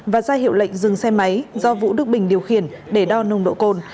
và ra hiệu lệnh dừng xe máy do vũ đức bình điều khiển để đo nồng độ cồn